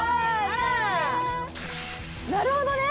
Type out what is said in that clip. なるほどね！